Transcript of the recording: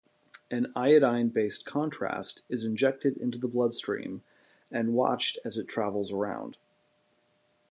An iodine-based contrast is injected into the bloodstream and watched as it travels around.